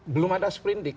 belum ada seprindik